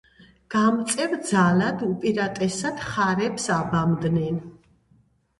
გამწევ ძალად უპირატესად ხარებს აბამდნენ.